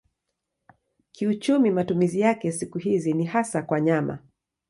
Kiuchumi matumizi yake siku hizi ni hasa kwa nyama.